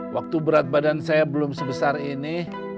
waktu berat badan saya belum sebesar ini